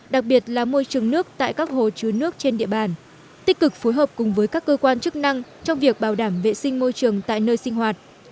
đặc biệt là môi trường nước tại các hồ chứa nước trên địa bàn tích cực phối hợp cùng với các cơ quan chức năng trong việc bảo đảm vệ sinh môi trường tại nơi sinh hoạt